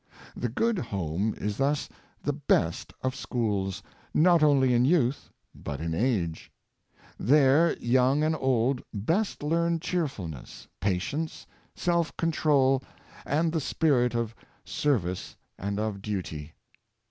The good home is thus the best of schools, not only in youth, but in age. There young and old best learn cheerfulness, patience, self control, and the spirit of serv ice and of duty.